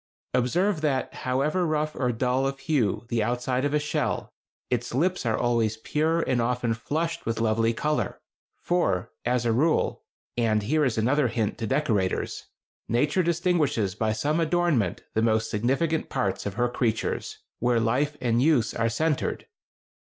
Observe that, however rough or dull of hue the outside of a shell, its lips are always pure and often flushed with lovely color; for, as a rule (and here is another hint to decorators), Nature distinguishes by some adornment the most significant parts of her creatures, where life and use are centered....